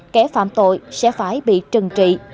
kẻ phạm tội sẽ phải bị trừng trị